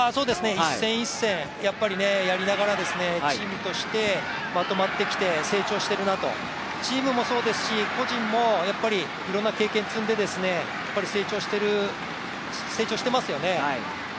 一戦一戦やりながらチームとしてまとまってきて、成長しているなと、チームもそうですし個人も、いろんな経験を積んで成長していますよね。